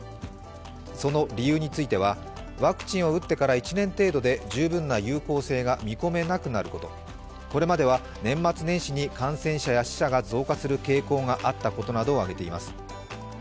その理由についてはワクチンを打ってから１年程度で十分な有効性が見込めなくなることこれまでは年末年始に感染者や死者が増加する傾向があったことなどを挙げています。